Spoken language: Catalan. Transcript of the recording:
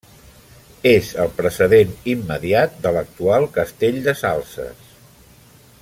És el precedent immediat de l'actual Castell de Salses.